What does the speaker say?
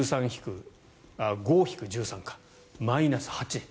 ５引く１３、マイナス８。